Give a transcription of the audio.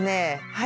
はい。